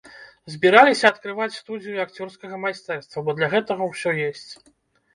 Збіраліся адкрываць студыю акцёрскага майстэрства, бо для гэтага ўсё ёсць.